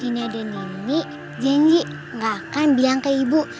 dini dan nini janji gak akan bilang ke ibu